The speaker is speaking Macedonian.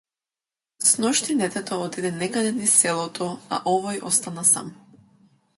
Сношти детето отиде некаде низ селото, а овој остана сам.